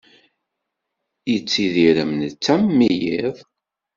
Yettidir am netta am wiyiḍ.